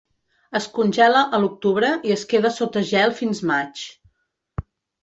Es congela a l'octubre i es queda sota gel fins maig.